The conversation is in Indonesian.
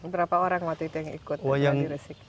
berapa orang waktu itu yang ikut geladi risik